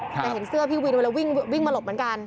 แต่เห็นเสื้อพี่วินเวลาวิ่งมาหลบเหมือนกัน